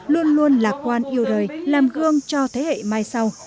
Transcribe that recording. luôn luôn lạc quan yêu đời làm gương cho thế hệ mai sau